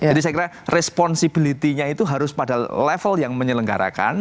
jadi saya kira responsibilitinya itu harus pada level yang menyelenggarakan